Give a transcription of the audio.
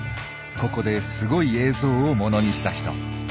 ここですごい映像をものにした人。